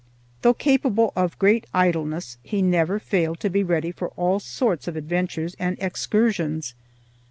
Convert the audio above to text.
Though capable of great idleness, he never failed to be ready for all sorts of adventures and excursions.